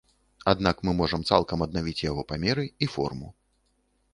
Аднак мы можам цалкам аднавіць яго памеры і форму.